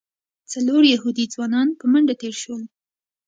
څلور یهودي ځوانان په منډه تېر شول.